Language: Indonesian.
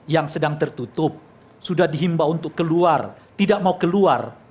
yang sedang tertutup sudah dihimbau untuk keluar tidak mau keluar